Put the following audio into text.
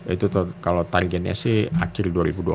itu kalau targetnya sih akhir dua ribu dua puluh